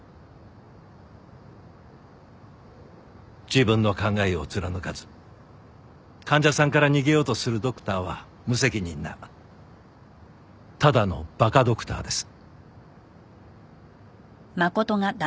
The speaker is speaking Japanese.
自分の考えを貫かず患者さんから逃げようとするドクターは無責任なただの馬鹿ドクターです。